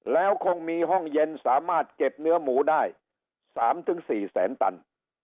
แล้วคงมีห้องเย็นสามารถเก็บเนื้อหมูได้๓๔แสนตัน